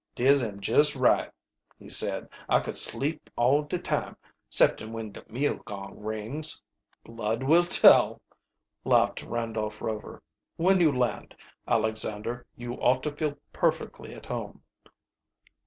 "Dis am jest right," he said. "I could sleep eall de time, 'ceptin' when de meal gong rings." "Blood will tell," laughed Randolph Rover. "When you land, Alexander, you ought to feel perfectly at home."